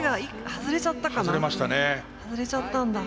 外れちゃったんだ。